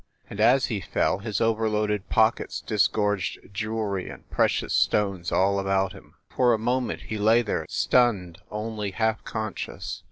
And as he fell his overloaded pockets disgorged jewelry and precious stones all about him. For a moment he lay there, stunned, only half conscious.